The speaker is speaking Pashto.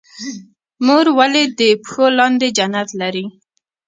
مور ولې د پښو لاندې جنت لري؟